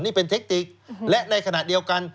นี่เป็นเทคติกและในขณะเดียวกัน